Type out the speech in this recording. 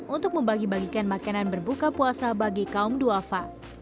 untuk membagi bagikan makanan berbuka puasa bagi kaum duafa